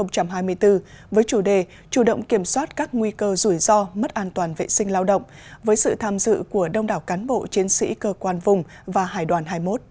với chủ đề chủ động kiểm soát các nguy cơ rủi ro mất an toàn vệ sinh lao động với sự tham dự của đông đảo cán bộ chiến sĩ cơ quan vùng và hải đoàn hai mươi một